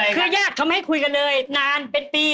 คือญาติเขาไม่ให้คุยกันเลยนานเป็นปี